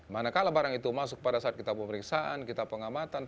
manakala barang itu masuk pada saat kita pemeriksaan kita pengamatan